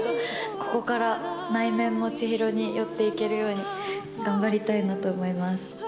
ここから内面も千尋に寄っていけるように、頑張りたいなと思います。